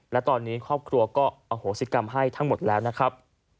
และตอนนี้ครอบครัวก็อโหสิกรรมให้ทั้งหมดแล้วนะครับ